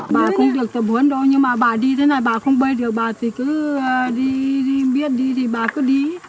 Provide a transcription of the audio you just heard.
bà không được tập huấn đâu nhưng mà bà đi thế này bà không bơi được bà thì cứ đi biết đi thì bà cứ đi